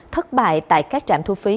thất bại tại các trạm thu phí